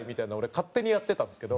勝手にやってたんですけど。